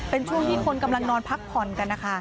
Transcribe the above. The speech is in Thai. เป็นช่วงที่คนกำลังนอนพักผ่อนกันนะคะ